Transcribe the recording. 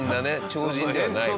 超人ではないわ。